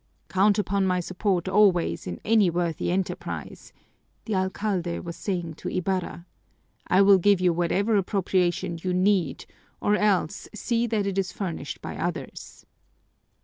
"Count upon my support always in any worthy enterprise," the alcalde was saying to Ibarra. "I will give you whatever appropriation you need or else see that it is furnished by others."